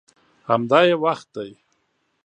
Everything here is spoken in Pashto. همدا یې وخت دی.